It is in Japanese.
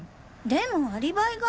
でもアリバイが。